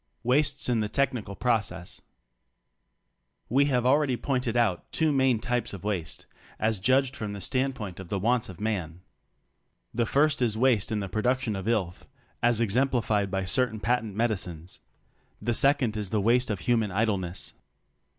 WASTES IN THE TECHNICAL PROCESS ^ We have already pointed out two main types of waste as judged from the standpoint of the wants of man. The first is waste in the production of "illth," as exemplified by certain patent medicines; the second is the waste of human idleness.